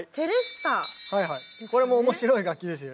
はいはいこれも面白い楽器ですよね。